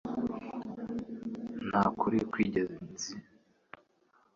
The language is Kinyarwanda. Nta kuri kw'ingenzi yizigamiye ku byerekeranye n'agakiza kacu